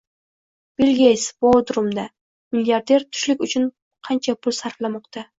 Bill Geyts Bodrumda: Milliarder tushlik uchun qancha pul sarflamoqda?